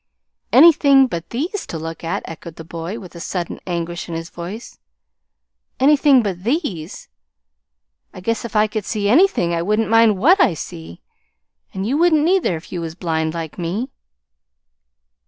"'Anything but these to look at'!" echoed the boy, with a sudden anguish in his voice. "Anything but these! I guess if I could see ANYTHING, I wouldn't mind WHAT I see! An' you wouldn't, neither, if you was blind, like me."